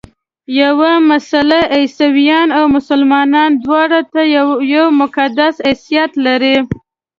یوه مسله عیسویانو او مسلمانانو دواړو ته یو مقدس حیثیت لري.